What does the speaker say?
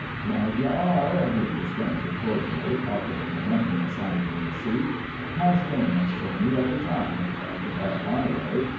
"Right ye are," agreed the stranger cordially, pocketing the money and signing the receipt. "Cash payments for me every time, if I could have my way.